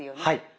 はい。